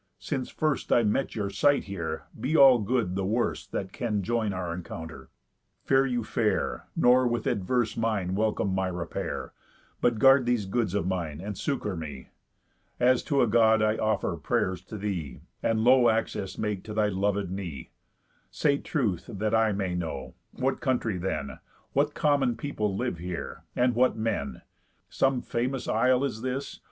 Since first I meet your sight here, be all good the worst That can join our encounter. Fare you fair, Nor with adverse mind welcome my repair, But guard these goods of mine, and succour me. As to a God I offer pray'rs to thee, And low access make to thy lovéd knee. Say truth, that I may know, what country then, What common people live here, and what men? Some famous isle is this?